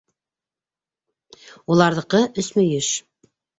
Уларҙыҡы - өсмөйөш!